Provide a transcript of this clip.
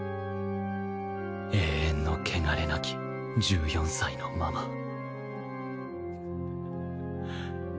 永遠の汚れなき１４歳のまま